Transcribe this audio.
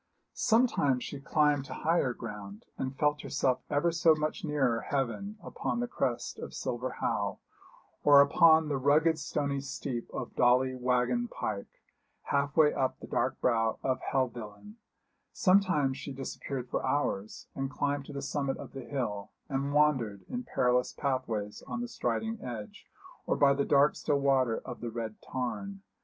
Sometimes she climbed to higher ground, and felt herself ever so much nearer heaven upon the crest of Silver Howe, or upon the rugged stony steep of Dolly Waggon pike, half way up the dark brow of Helvellyn; sometimes she disappeared for hours, and climbed to the summit of the hill, and wandered in perilous pathways on Striding Edge, or by the dark still water of the Red Tarn.